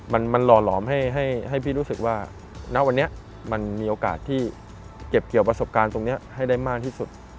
มันหล่อหลอมให้พี่รู้สึกว่าณวันนี้มันมีโอกาสที่เก็บเกี่ยวประสบการณ์ตรงนี้ให้ได้มากที่สุด